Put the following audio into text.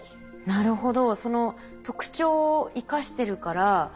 なるほど。